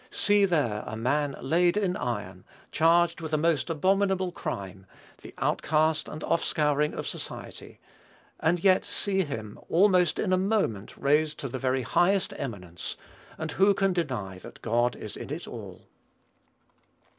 See there a man "laid in iron," charged with a most abominable crime the outcast and offscouring of society; and yet see him, almost in a moment, raised to the very highest eminence, and who can deny that God is in it all?